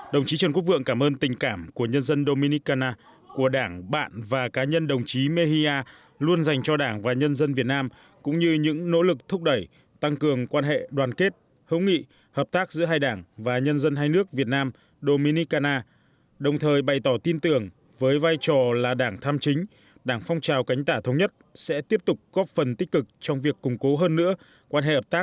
đồng chí trần quốc vượng cảm ơn tình cảm của nhân dân dominicana của đảng bạn và cá nhân đồng chí mejia luôn dành cho đảng và nhân dân việt nam cũng như những nỗ lực thúc đẩy tăng cường quan hệ đoàn kết hỗn nghị hợp tác giữa hai đảng và nhân dân hai nước việt nam dominicana đồng thời bày tỏ tin tưởng với vai trò là đảng tham chính đảng phong trào cánh tài thống nhất sẽ tiếp tục góp phần tích cực trong việc củng cố hơn nữa